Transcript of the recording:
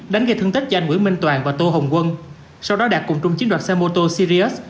đánh gây thương tích cho anh nguyễn minh toàn và tô hồng quân sau đó đạt cùng chung chiếm đoạt xe mô tô sirius